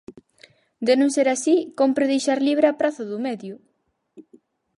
De non ser así, cómpre deixar libre a praza do medio.